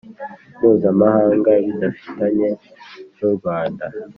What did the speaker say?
mpuzamahanga bidafitanye n u Rwanda